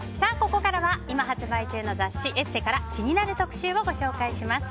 ここからは今発売中の雑誌「ＥＳＳＥ」から気になる特集をご紹介します。